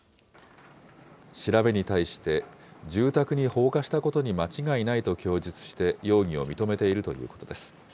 調べに対して、住宅に放火したことに間違いないと供述して容疑を認めているということです。